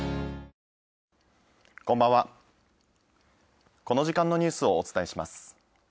こんばんは、この時間のニュースをお伝えします。